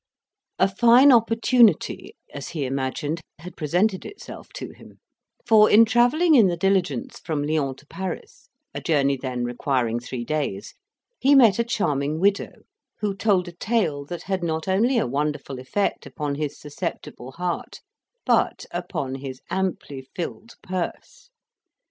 A fine opportunity, as he imagined, had presented itself to him; for, in travelling in the diligence from Lyons to Paris, a journey then requiring three days, he met a charming widow, who told a tale that had not only a wonderful effect upon his susceptible heart, but upon his amply filled purse.